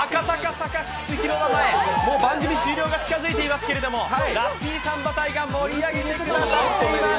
サカス広場前、もう番組終了が近づいていますけども、ラッピーサンバ隊が盛り上げてくださっています。